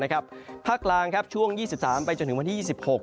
ภาคภาคกลางช่วงภาคอีสาน๒๓ไปจนถึงวันที่๒๖